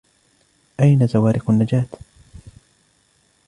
أين زوارق النجاة ؟